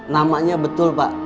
namanya betul pak